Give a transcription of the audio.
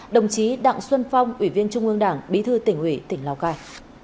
đồng chí đặng xuân phong ủy viên trung ương đảng bí thư tỉnh ủy tỉnh lào cai